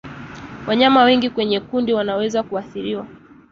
Wanyama wengi kwenye kundi wanaweza kuathiriwa